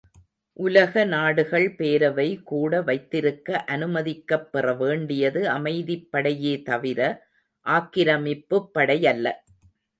உலக நாடுகள் பேரவை கூட வைத்திருக்க அனுமதிக்கப் பெற வேண்டியது அமைதிப்படையே தவிர, ஆக்கிரமிப்புப்படையல்ல.